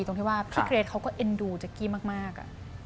ตรงที่ว่าพี่เกรทเขาก็เอ็นดูเจ๊กกี้มาก